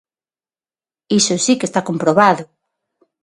Iso si que está comprobado.